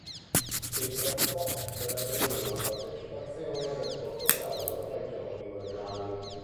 Si trattò della prima partecipazione del Portogallo ai Giochi invernali.